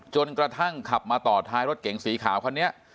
กระทั่งขับมาต่อท้ายรถเก๋งสีขาวคันนี้